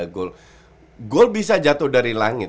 goal bisa jatuh dari langit